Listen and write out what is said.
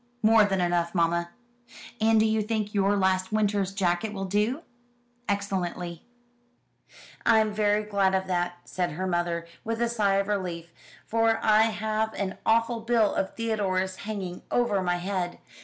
"More than enough, mamma." "And do you think your last winter's jacket will do?" "Excellently." "I'm very glad of that," said her mother, with a sigh of relief, "for I have an awful bill of Theodore's hanging over my head.